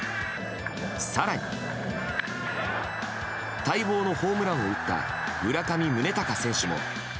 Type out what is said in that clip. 更に、待望のホームランを打った村上宗隆選手も。